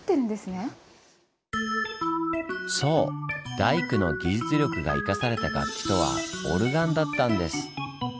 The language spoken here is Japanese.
大工の技術力が生かされた楽器とはオルガンだったんです。